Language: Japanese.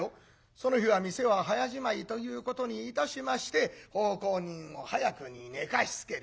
その日は店は早じまいということにいたしまして奉公人を早くに寝かしつける。